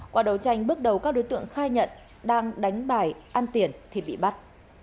quả đầu tranh bước đầu các đối tượng khai nhận đang đánh bài ăn tiền thì bị bắt